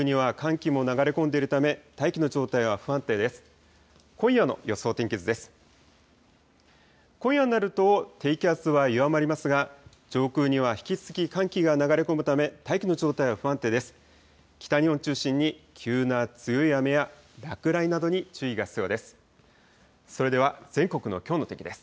北日本を中心に急な強い雨や落雷などに注意が必要です。